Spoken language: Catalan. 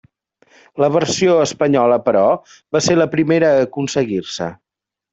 La versió espanyola, però, va ser la primera a aconseguir-se.